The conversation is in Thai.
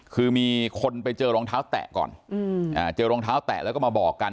คือมีคนไปเจอรองเท้าแตะก่อนเจอรองเท้าแตะแล้วก็มาบอกกัน